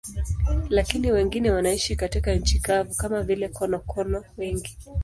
Lakini wengine wanaishi katika nchi kavu, kama vile konokono wengi.